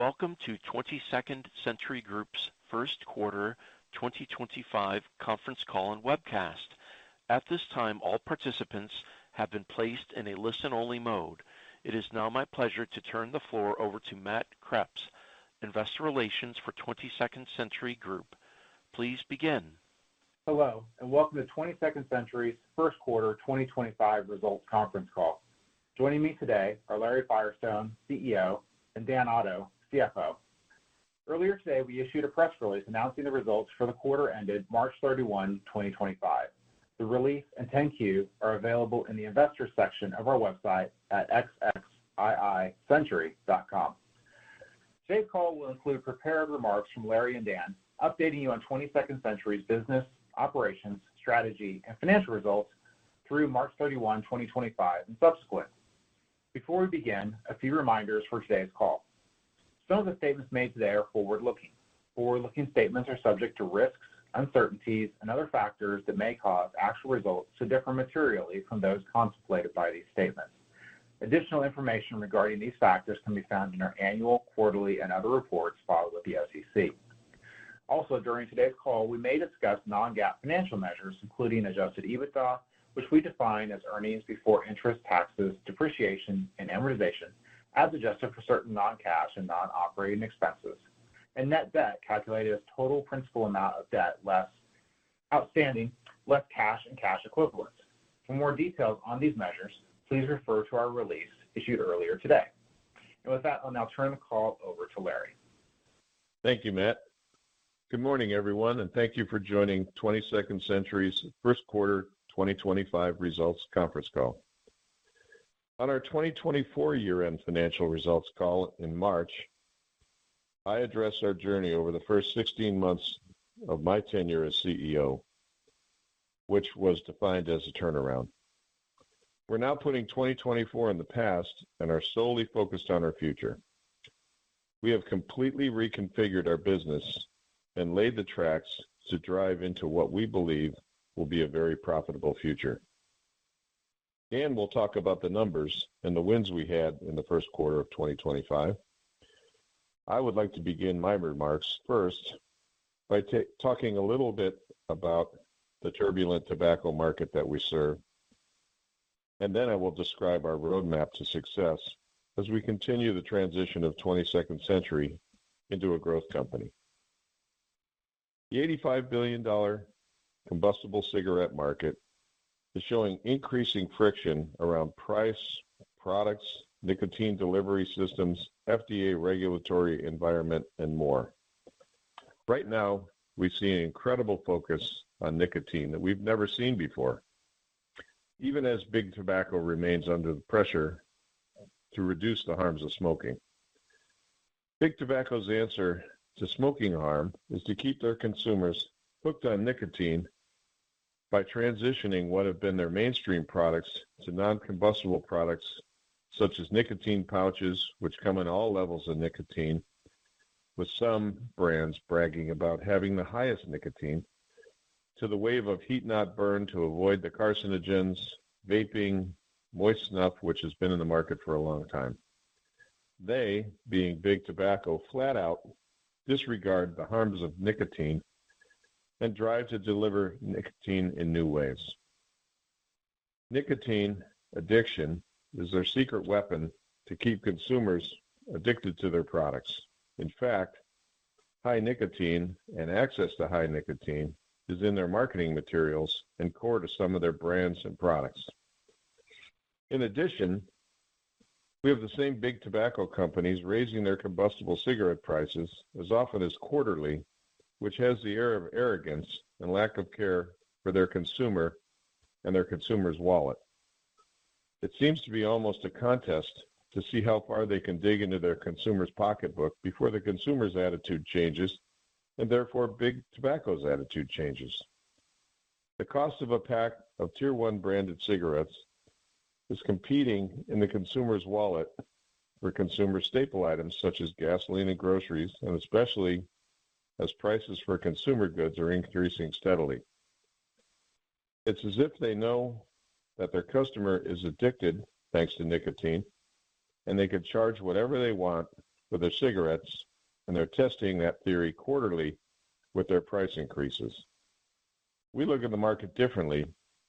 Welcome to 22nd Century Group's first quarter 2025 conference call and webcast. At this time, all participants have been placed in a listen-only mode. It is now my pleasure to turn the floor over to Matt Kreps, Investor Relations for 22nd Century Group. Please begin. Hello, and welcome to 22nd Century's first quarter 2025 results conference call. Joining me today are Larry Firestone, CEO, and Dan Otto, CFO. Earlier today, we issued a press release announcing the results for the quarter ended March 31, 2025. The release and 10-Q are available in the investor section of our website at xxii-century.com. Today's call will include prepared remarks from Larry and Dan, updating you on 22nd Century's business, operations, strategy, and financial results through March 31, 2025, and subsequent. Before we begin, a few reminders for today's call. Some of the statements made today are forward-looking. Forward-looking statements are subject to risks, uncertainties, and other factors that may cause actual results to differ materially from those contemplated by these statements. Additional information regarding these factors can be found in our annual, quarterly, and other reports filed with the SEC. Also, during today's call, we may discuss non-GAAP financial measures, including Adjusted EBITDA, which we define as earnings before interest, taxes, depreciation, and amortization, as adjusted for certain non-cash and non-operating expenses, and net debt calculated as total principal amount of debt less cash and cash equivalents. For more details on these measures, please refer to our release issued earlier today. With that, I'll now turn the call over to Larry. Thank you, Matt. Good morning, everyone, and thank you for joining 22nd Century's first quarter 2025 results conference call. On our 2024 year-end financial results call in March, I addressed our journey over the first 16 months of my tenure as CEO, which was defined as a turnaround. We are now putting 2024 in the past and are solely focused on our future. We have completely reconfigured our business and laid the tracks to drive into what we believe will be a very profitable future. We will talk about the numbers and the wins we had in the first quarter of 2025. I would like to begin my remarks first by talking a little bit about the turbulent tobacco market that we serve, and then I will describe our roadmap to success as we continue the transition of 22nd Century into a growth company. The $85 billion combustible cigarette market is showing increasing friction around price, products, nicotine delivery systems, FDA regulatory environment, and more. Right now, we see an incredible focus on nicotine that we've never seen before, even as big tobacco remains under the pressure to reduce the harms of smoking. Big tobacco's answer to smoking harm is to keep their consumers hooked on nicotine by transitioning what have been their mainstream products to non-combustible products such as nicotine pouches, which come in all levels of nicotine, with some brands bragging about having the highest nicotine, to the wave of heat-not-burn to avoid the carcinogens, vaping, moist snuff, which has been in the market for a long time. They, being big tobacco, flat out disregard the harms of nicotine and drive to deliver nicotine in new ways. Nicotine addiction is their secret weapon to keep consumers addicted to their products. In fact, high nicotine and access to high nicotine is in their marketing materials and core to some of their brands and products. In addition, we have the same big tobacco companies raising their combustible cigarette prices as often as quarterly, which has the air of arrogance and lack of care for their consumer and their consumer's wallet. It seems to be almost a contest to see how far they can dig into their consumer's pocketbook before the consumer's attitude changes and therefore big tobacco's attitude changes. The cost of a pack of tier one branded cigarettes is competing in the consumer's wallet for consumer staple items such as gasoline and groceries, and especially as prices for consumer goods are increasing steadily. It's as if they know that their customer is addicted, thanks to nicotine, and they could charge whatever they want for their cigarettes, and they're testing that theory quarterly with their price increases. We look at the market differently,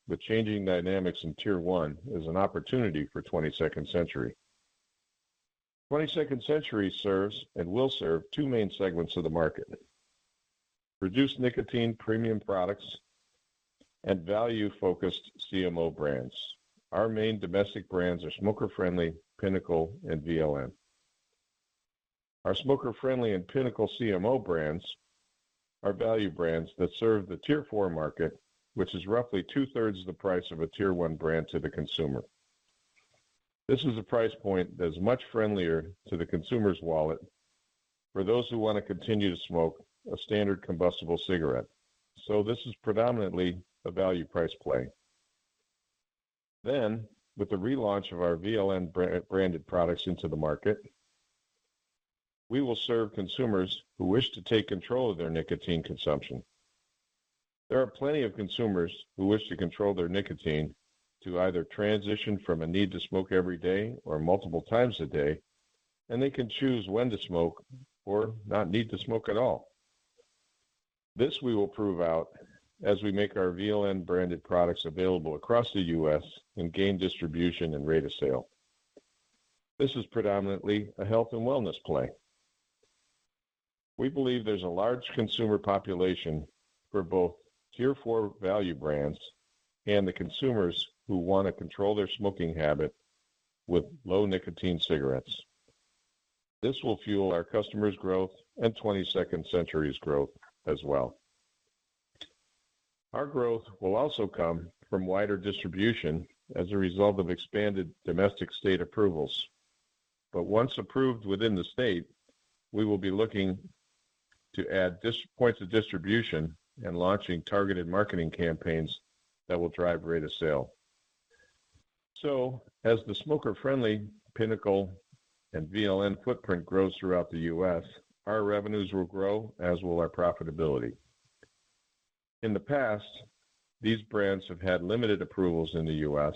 but changing dynamics in tier one is an opportunity for 22nd Century. 22nd Century serves and will serve two main segments of the market: reduced nicotine premium products and value-focused CMO brands. Our main domestic brands are Smoker Friendly, Pinnacle, and VLN. Our Smoker Friendly and Pinnacle CMO brands are value brands that serve the tier four market, which is roughly two-thirds of the price of a tier one brand to the consumer. This is a price point that is much friendlier to the consumer's wallet for those who want to continue to smoke a standard combustible cigarette. This is predominantly a value price play. With the relaunch of our VLN branded products into the market, we will serve consumers who wish to take control of their nicotine consumption. There are plenty of consumers who wish to control their nicotine to either transition from a need to smoke every day or multiple times a day, and they can choose when to smoke or not need to smoke at all. This we will prove out as we make our VLN branded products available across the U.S. and gain distribution and rate of sale. This is predominantly a health and wellness play. We believe there's a large consumer population for both tier four value brands and the consumers who want to control their smoking habit with low nicotine cigarettes. This will fuel our customers' growth and 22nd Century's growth as well. Our growth will also come from wider distribution as a result of expanded domestic state approvals. Once approved within the state, we will be looking to add points of distribution and launching targeted marketing campaigns that will drive rate of sale. As the Smoker Friendly, Pinnacle, and VLN footprint grows throughout the U.S., our revenues will grow, as will our profitability. In the past, these brands have had limited approvals in the U.S.,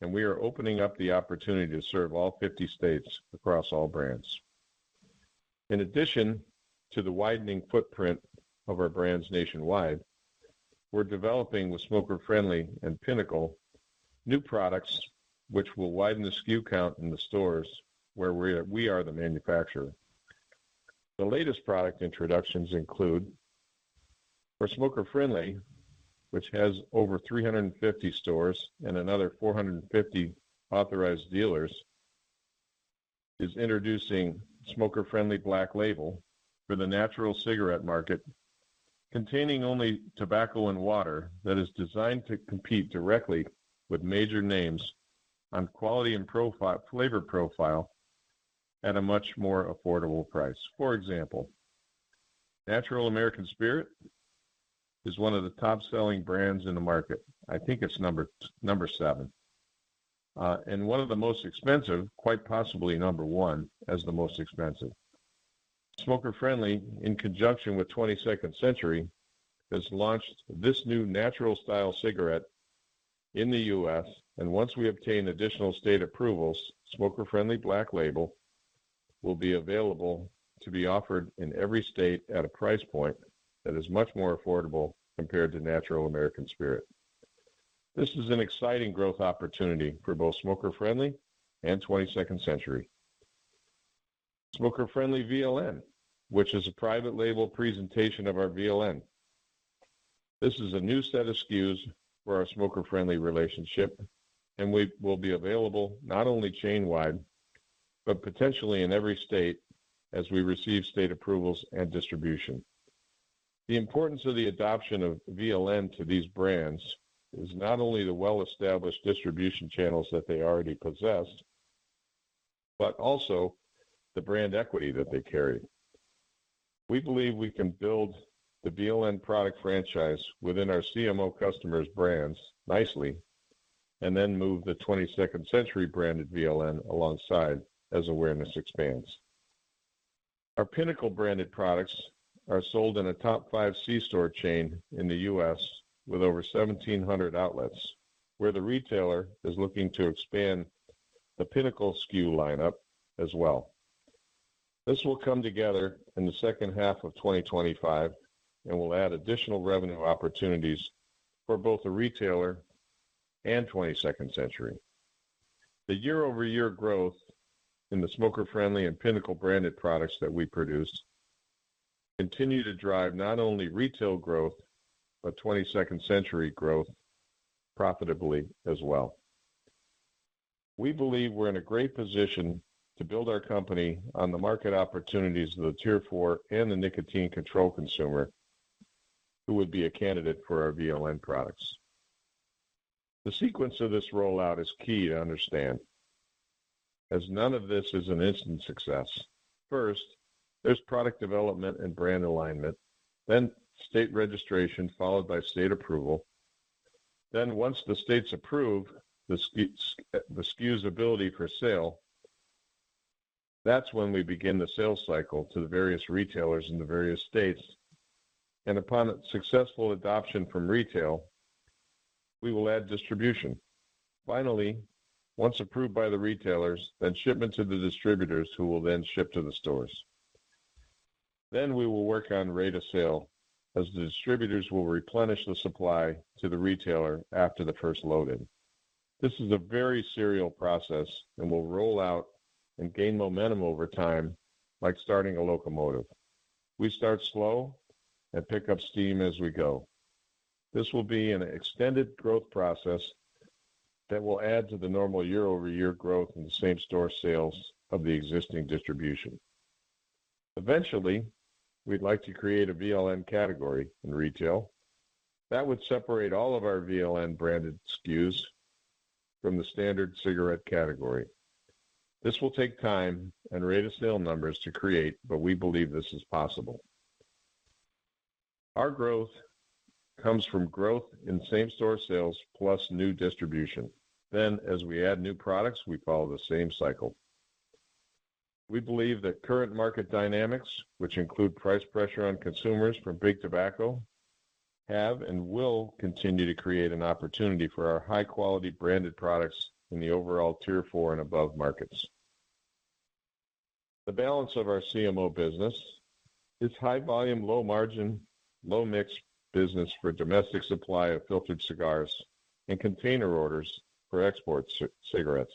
and we are opening up the opportunity to serve all 50 states across all brands. In addition to the widening footprint of our brands nationwide, we're developing with Smoker Friendly and Pinnacle new products which will widen the SKU count in the stores where we are the manufacturer. The latest product introductions include our Smoker Friendly, which has over 350 stores and another 450 authorized dealers, is introducing Smoker Friendly Black Label for the natural cigarette market, containing only tobacco and water that is designed to compete directly with major names on quality and flavor profile at a much more affordable price. For example, Natural American Spirit is one of the top-selling brands in the market. I think it's number seven, and one of the most expensive, quite possibly number one as the most expensive. Smoker Friendly, in conjunction with 22nd Century, has launched this new natural-style cigarette in the U.S., and once we obtain additional state approvals, Smoker Friendly Black Label will be available to be offered in every state at a price point that is much more affordable compared to Natural American Spirit. This is an exciting growth opportunity for both Smoker Friendly and 22nd Century. Smoker Friendly VLN, which is a private label presentation of our VLN. This is a new set of SKUs for our Smoker Friendly relationship, and we will be available not only chain-wide, but potentially in every state as we receive state approvals and distribution. The importance of the adoption of VLN to these brands is not only the well-established distribution channels that they already possess, but also the brand equity that they carry. We believe we can build the VLN product franchise within our CMO customers' brands nicely and then move the 22nd Century branded VLN alongside as awareness expands. Our Pinnacle branded products are sold in a top five C-store chain in the U.S. with over 1,700 outlets, where the retailer is looking to expand the Pinnacle SKU lineup as well. This will come together in the second half of 2025 and will add additional revenue opportunities for both the retailer and 22nd Century. The year-over-year growth in the Smoker Friendly and Pinnacle branded products that we produce continues to drive not only retail growth, but 22nd Century growth profitably as well. We believe we're in a great position to build our company on the market opportunities of the tier four and the nicotine control consumer who would be a candidate for our VLN products. The sequence of this rollout is key to understand, as none of this is an instant success. First, there's product development and brand alignment, then state registration followed by state approval. Once the states approve the SKU's ability for sale, that's when we begin the sales cycle to the various retailers in the various states. Upon successful adoption from retail, we will add distribution. Finally, once approved by the retailers, shipment to the distributors who will then ship to the stores. We will work on rate of sale as the distributors will replenish the supply to the retailer after the first loading. This is a very serial process and will roll out and gain momentum over time, like starting a locomotive. We start slow and pick up steam as we go. This will be an extended growth process that will add to the normal year-over-year growth in the same store sales of the existing distribution. Eventually, we'd like to create a VLN category in retail that would separate all of our VLN branded SKUs from the standard cigarette category. This will take time and rate of sale numbers to create, but we believe this is possible. Our growth comes from growth in same store sales plus new distribution. As we add new products, we follow the same cycle. We believe that current market dynamics, which include price pressure on consumers for big tobacco, have and will continue to create an opportunity for our high-quality branded products in the overall tier four and above markets. The balance of our CMO business is high volume, low margin, low mix business for domestic supply of filtered cigars and container orders for export cigarettes.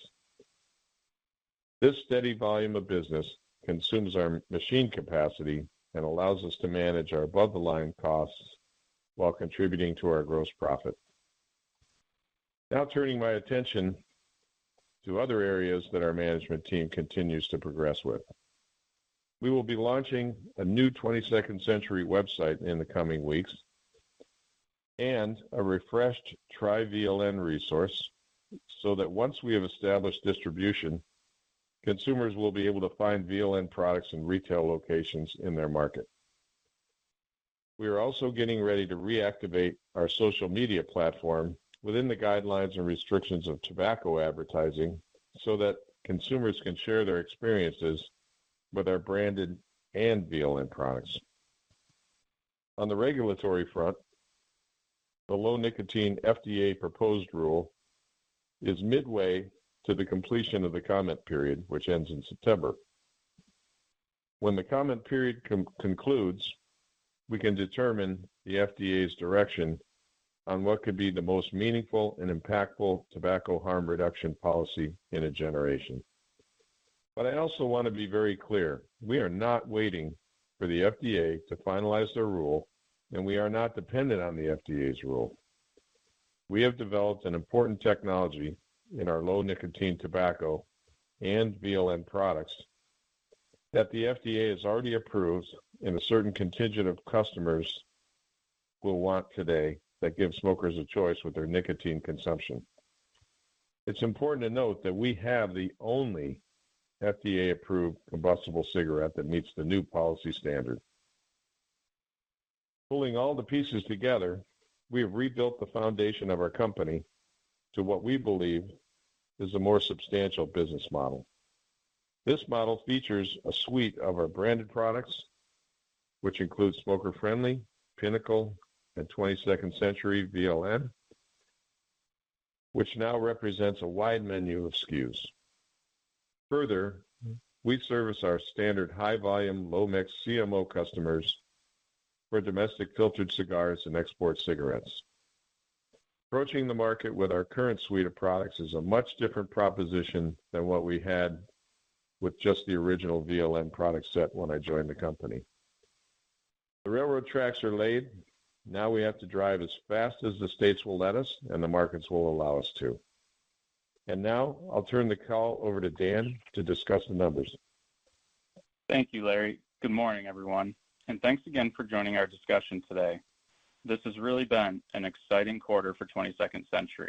This steady volume of business consumes our machine capacity and allows us to manage our above-the-line costs while contributing to our gross profit. Now turning my attention to other areas that our management team continues to progress with. We will be launching a new 22nd Century website in the coming weeks and a refreshed Try VLN resource so that once we have established distribution, consumers will be able to find VLN products in retail locations in their market. We are also getting ready to reactivate our social media platform within the guidelines and restrictions of tobacco advertising so that consumers can share their experiences with our branded and VLN products. On the regulatory front, the low nicotine FDA proposed rule is midway to the completion of the comment period, which ends in September. When the comment period concludes, we can determine the FDA's direction on what could be the most meaningful and impactful tobacco harm reduction policy in a generation. I also want to be very clear. We are not waiting for the FDA to finalize their rule, and we are not dependent on the FDA's rule. We have developed an important technology in our low nicotine tobacco and VLN products that the FDA has already approved and a certain contingent of customers will want today that gives smokers a choice with their nicotine consumption. It's important to note that we have the only FDA-approved combustible cigarette that meets the new policy standard. Pulling all the pieces together, we have rebuilt the foundation of our company to what we believe is a more substantial business model. This model features a suite of our branded products, which includes Smoker Friendly, Pinnacle, and 22nd Century VLN, which now represents a wide menu of SKUs. Further, we service our standard high volume, low mix CMO customers for domestic filtered cigars and export cigarettes. Approaching the market with our current suite of products is a much different proposition than what we had with just the original VLN product set when I joined the company. The railroad tracks are laid. Now we have to drive as fast as the states will let us and the markets will allow us to. Now I'll turn the call over to Dan to discuss the numbers. Thank you, Larry. Good morning, everyone. Thanks again for joining our discussion today. This has really been an exciting quarter for 22nd Century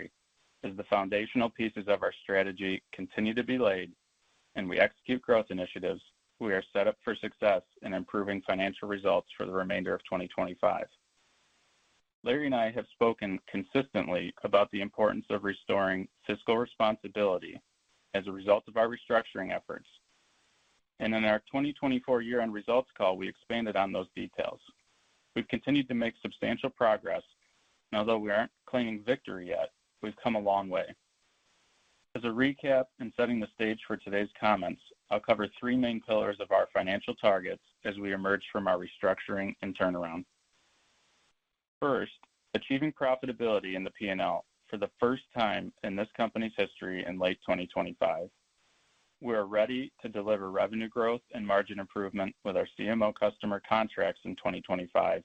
Group. As the foundational pieces of our strategy continue to be laid and we execute growth initiatives, we are set up for success in improving financial results for the remainder of 2025. Larry and I have spoken consistently about the importance of restoring fiscal responsibility as a result of our restructuring efforts. In our 2024 year-end results call, we expanded on those details. We've continued to make substantial progress, and although we aren't claiming victory yet, we've come a long way. As a recap and setting the stage for today's comments, I'll cover three main pillars of our financial targets as we emerge from our restructuring and turnaround. First, achieving profitability in the P&L for the first time in this company's history in late 2025. We are ready to deliver revenue growth and margin improvement with our CMO customer contracts in 2025,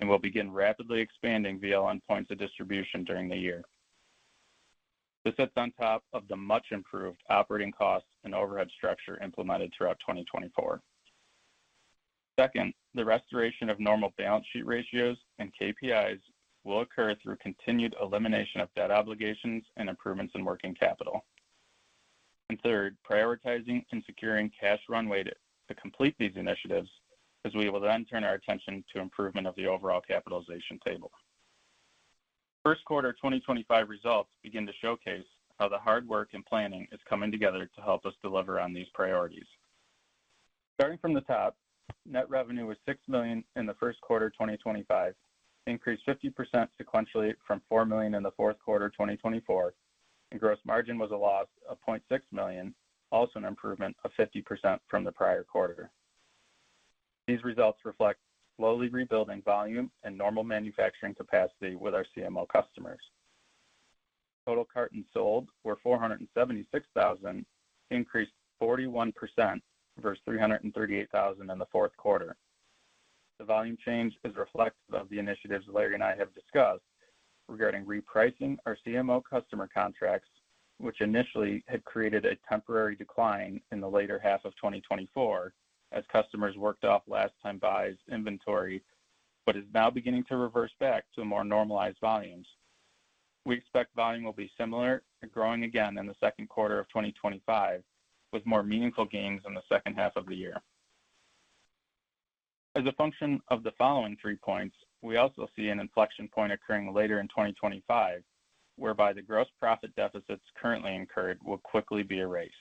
and we'll begin rapidly expanding VLN points of distribution during the year. This sits on top of the much improved operating costs and overhead structure implemented throughout 2024. Second, the restoration of normal balance sheet ratios and KPIs will occur through continued elimination of debt obligations and improvements in working capital. Third, prioritizing and securing cash runway to complete these initiatives, as we will then turn our attention to improvement of the overall capitalization table. First quarter 2025 results begin to showcase how the hard work and planning is coming together to help us deliver on these priorities. Starting from the top, net revenue was $6 million in the first quarter 2025, increased 50% sequentially from $4 million in the fourth quarter 2024, and gross margin was a loss of $0.6 million, also an improvement of 50% from the prior quarter. These results reflect slowly rebuilding volume and normal manufacturing capacity with our CMO customers. Total cartons sold were 476,000, increased 41% versus 338,000 in the fourth quarter. The volume change is reflective of the initiatives Larry and I have discussed regarding repricing our CMO customer contracts, which initially had created a temporary decline in the later half of 2024 as customers worked off last-time buys inventory, but is now beginning to reverse back to more normalized volumes. We expect volume will be similar and growing again in the second quarter of 2025, with more meaningful gains in the second half of the year. As a function of the following three points, we also see an inflection point occurring later in 2025, whereby the gross profit deficits currently incurred will quickly be erased.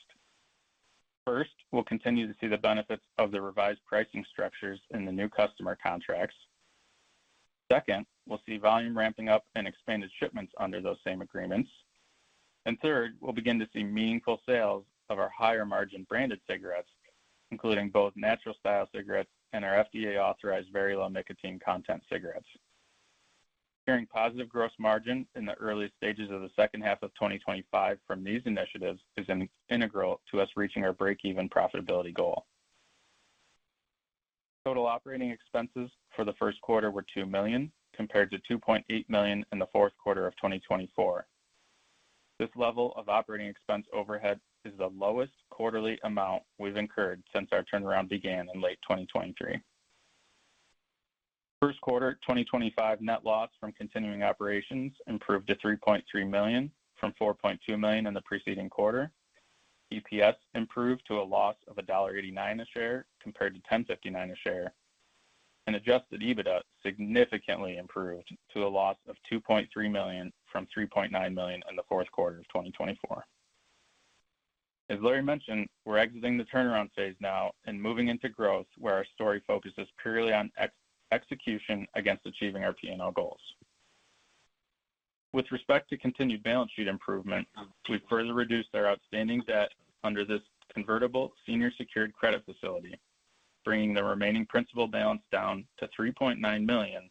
First, we'll continue to see the benefits of the revised pricing structures in the new customer contracts. Second, we'll see volume ramping up and expanded shipments under those same agreements. Third, we'll begin to see meaningful sales of our higher margin branded cigarettes, including both natural-style cigarettes and our FDA-authorized very low nicotine content cigarettes. Hearing positive gross margin in the early stages of the second half of 2025 from these initiatives is integral to us reaching our break-even profitability goal. Total operating expenses for the first quarter were $2 million compared to $2.8 million in the fourth quarter of 2024. This level of operating expense overhead is the lowest quarterly amount we've incurred since our turnaround began in late 2023. First quarter 2025 net loss from continuing operations improved to $3.3 million from $4.2 million in the preceding quarter. EPS improved to a loss of $1.89 a share compared to $10.59 a share. Adjusted EBITDA significantly improved to a loss of $2.3 million from $3.9 million in the fourth quarter of 2024. As Larry mentioned, we're exiting the turnaround phase now and moving into growth where our story focuses purely on execution against achieving our P&L goals. With respect to continued balance sheet improvement, we've further reduced our outstanding debt under this convertible senior secured credit facility, bringing the remaining principal balance down to $3.9 million,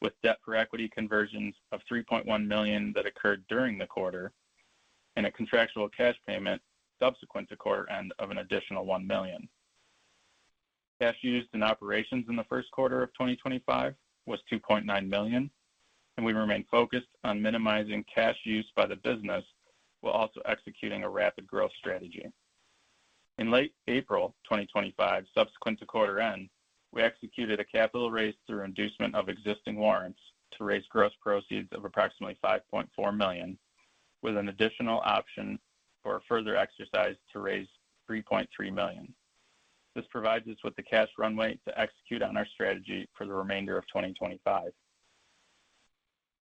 with debt for equity conversions of $3.1 million that occurred during the quarter and a contractual cash payment subsequent to quarter end of an additional $1 million. Cash used in operations in the first quarter of 2025 was $2.9 million, and we remain focused on minimizing cash used by the business while also executing a rapid growth strategy. In late April 2025, subsequent to quarter end, we executed a capital raise through inducement of existing warrants to raise gross proceeds of approximately $5.4 million, with an additional option for further exercise to raise $3.3 million. This provides us with the cash runway to execute on our strategy for the remainder of 2025.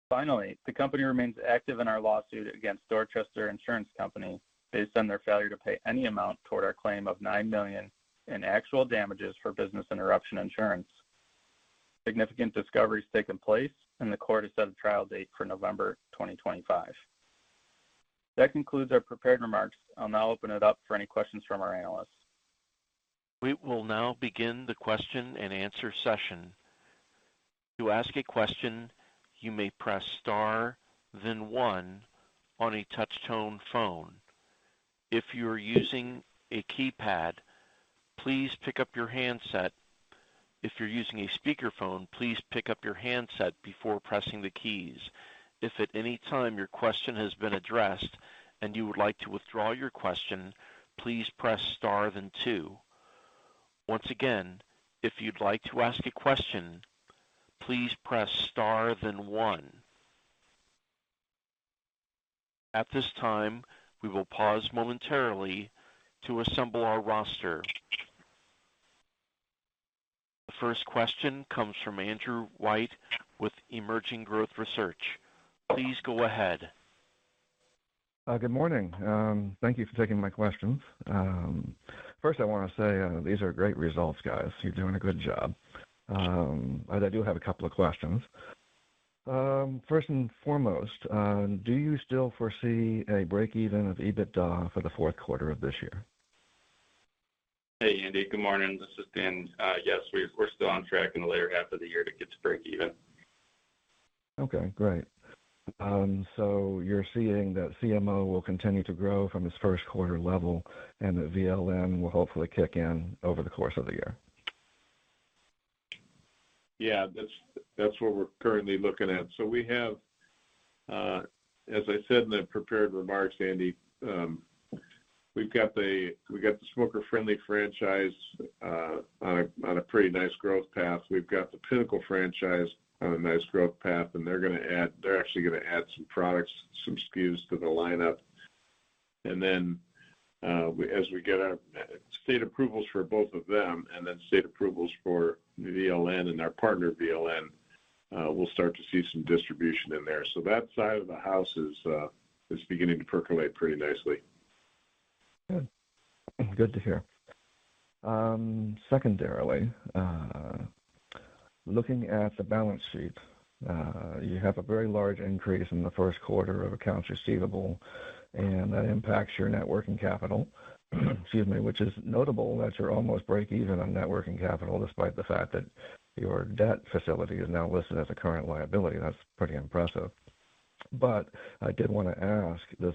Finally, the company remains active in our lawsuit against Dorchester Insurance Company based on their failure to pay any amount toward our claim of $9 million in actual damages for business interruption insurance. Significant discovery has taken place, and the court has set a trial date for November 2025. That concludes our prepared remarks. I'll now open it up for any questions from our analysts. We will now begin the question and answer session. To ask a question, you may press star, then one on a touch-tone phone. If you are using a keypad, please pick up your handset. If you're using a speakerphone, please pick up your handset before pressing the keys. If at any time your question has been addressed and you would like to withdraw your question, please press star, then two. Once again, if you'd like to ask a question, please press star, then one. At this time, we will pause momentarily to assemble our roster. The first question comes from Andrew White with Emerging Growth Research. Please go ahead. Good morning. Thank you for taking my questions. First, I want to say these are great results, guys. You're doing a good job. I do have a couple of questions. First and foremost, do you still foresee a break-even of EBITDA for the fourth quarter of this year? Hey, Andy. Good morning. This is Dan. Yes, we're still on track in the later half of the year to get to break-even. Okay, great. You are seeing that CMO will continue to grow from its first quarter level and that VLN will hopefully kick in over the course of the year. Yeah, that is what we are currently looking at. As I said in the prepared remarks, Andy, we have got the Smoker Friendly franchise on a pretty nice growth path. We have got the Pinnacle franchise on a nice growth path, and they are going to add, they are actually going to add some products, some SKUs to the lineup. As we get our state approvals for both of them and then state approvals for VLN and our partner VLN, we will start to see some distribution in there. That side of the house is beginning to percolate pretty nicely. Good to hear. Secondarily, looking at the balance sheet, you have a very large increase in the first quarter of accounts receivable, and that impacts your net working capital. Excuse me, which is notable that you're almost break-even on net working capital despite the fact that your debt facility is now listed as a current liability. That's pretty impressive. I did want to ask, does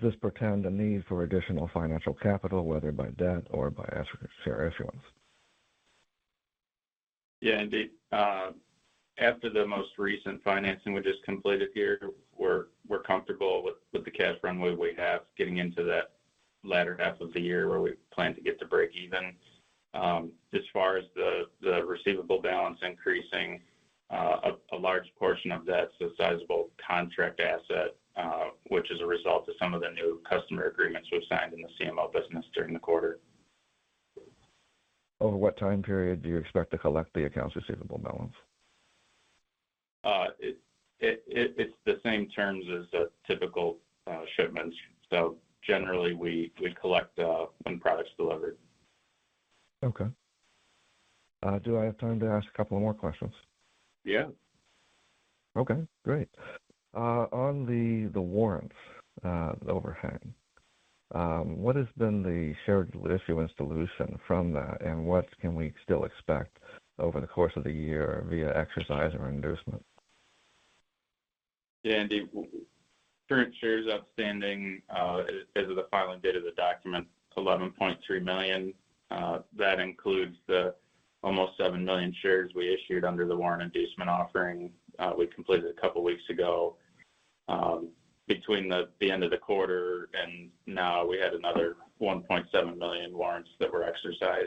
this portend a need for additional financial capital, whether by debt or by asset share issuance? Yeah, indeed. After the most recent financing we just completed here, we're comfortable with the cash runway we have getting into that latter half of the year where we plan to get to break-even. As far as the receivable balance increasing, a large portion of that is a sizable contract asset, which is a result of some of the new customer agreements we've signed in the CMO business during the quarter. Over what time period do you expect to collect the accounts receivable balance? It's the same terms as typical shipments. Generally, we collect when products delivered. Okay. Do I have time to ask a couple more questions? Yeah. Okay, great. On the warrant overhead, what has been the share issuance dilution from that, and what can we still expect over the course of the year via exercise or inducement? Yeah, Andy, current shares outstanding as of the filing date of the document, 11.3 million. That includes the almost 7 million shares we issued under the warrant inducement offering we completed a couple of weeks ago. Between the end of the quarter and now, we had another 1.7 million warrants that were exercised.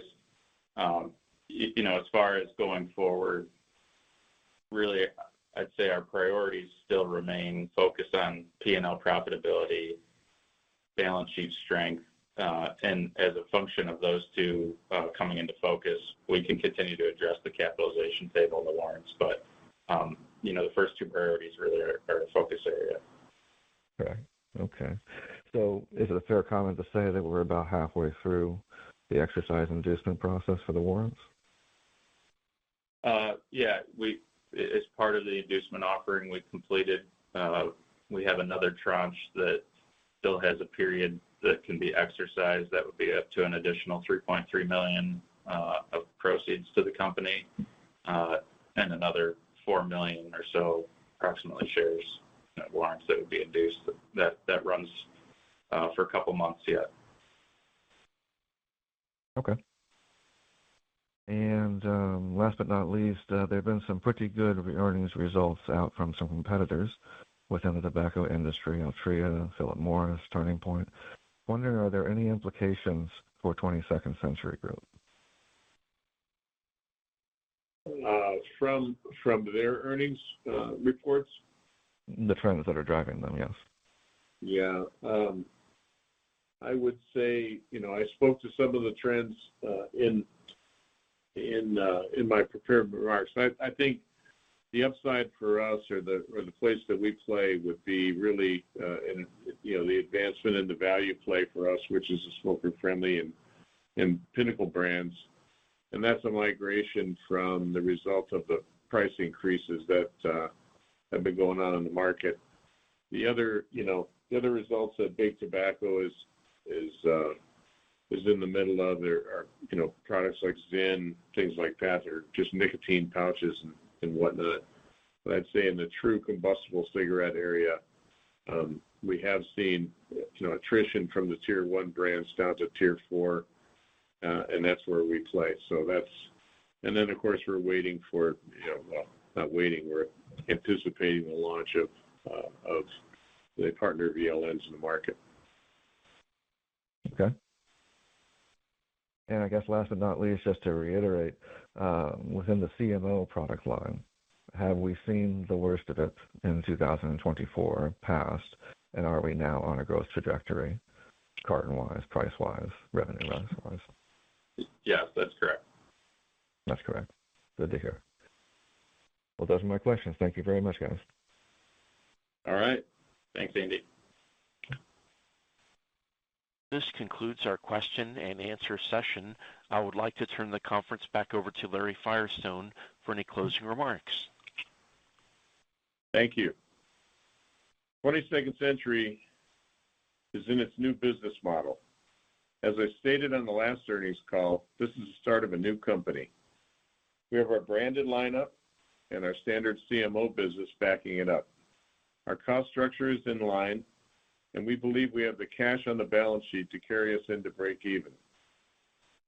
As far as going forward, really, I'd say our priorities still remain focused on P&L profitability, balance sheet strength, and as a function of those two coming into focus, we can continue to address the capitalization table and the warrants. The first two priorities really are a focus area. Correct. Okay. Is it a fair comment to say that we're about halfway through the exercise inducement process for the warrants? Yeah. As part of the inducement offering we completed, we have another tranche that still has a period that can be exercised that would be up to an additional $3.3 million of proceeds to the company and another 4 million or so approximately shares warrants that would be induced that runs for a couple of months yet. Okay. Last but not least, there have been some pretty good earnings results out from some competitors within the tobacco industry: Altria, Philip Morris, Turning Point. Wondering, are there any implications for 22nd Century Group? From their earnings reports? The trends that are driving them, yes. Yeah. I would say I spoke to some of the trends in my prepared remarks. I think the upside for us or the place that we play would be really the advancement in the value play for us, which is the Smoker Friendly and Pinnacle brands. That is a migration from the result of the price increases that have been going on in the market. The other results that big tobacco is in the middle of are products like Zen, things like Panther, just nicotine pouches and whatnot. I'd say in the true combustible cigarette area, we have seen attrition from the tier one brands down to tier four, and that's where we play. Of course, we're waiting for, well, not waiting, we're anticipating the launch of the partner VLMs in the market. Okay. I guess last but not least, just to reiterate, within the CMO product line, have we seen the worst of it in 2024 passed, and are we now on a growth trajectory carton-wise, price-wise, revenue-wise? Yes, that's correct. That's correct. Good to hear. Those are my questions. Thank you very much, guys. All right. Thanks, Andy. This concludes our question and answer session. I would like to turn the conference back over to Larry Firestone for any closing remarks. Thank you. 22nd Century is in its new business model. As I stated on the last earnings call, this is the start of a new company. We have our branded lineup and our standard CMO business backing it up. Our cost structure is in line, and we believe we have the cash on the balance sheet to carry us into break-even.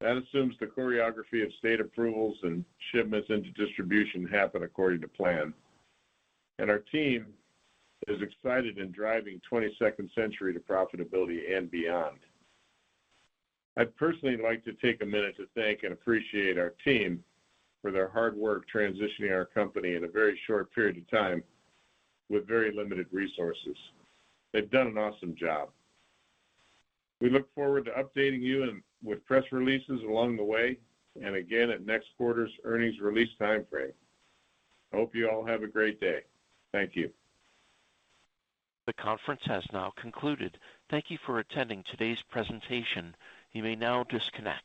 That assumes the choreography of state approvals and shipments into distribution happen according to plan. Our team is excited in driving 22nd Century to profitability and beyond. I'd personally like to take a minute to thank and appreciate our team for their hard work transitioning our company in a very short period of time with very limited resources. They've done an awesome job. We look forward to updating you with press releases along the way and again at next quarter's earnings release timeframe. I hope you all have a great day. Thank you. The conference has now concluded. Thank you for attending today's presentation. You may now disconnect.